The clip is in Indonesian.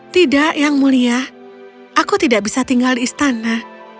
tidak yang mulia aku tidak bisa tinggal di istana